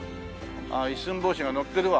ああ一寸法師が乗ってるわ。